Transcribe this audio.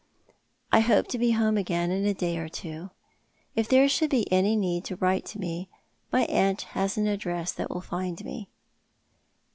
I hope to be home again in a day or two. If there should be any need to write to me my aunt has an address that will find me."